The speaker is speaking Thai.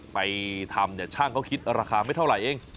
ไปทำเนี่ยช่างเขาคิดราคาไม่เท่าไหร่เอง